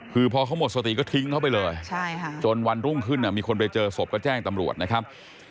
คือพอเขาหมดสติก็ทิ้งเขาไปเลยจนวันรุ่งขึ้นมีคนไปเจอศพก็แจ้งตำรวจนะครับ